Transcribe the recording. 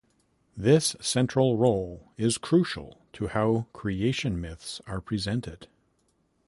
This central role is crucial to how creation myths are presented.